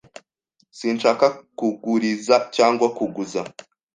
Sinshaka kuguriza cyangwa kuguza.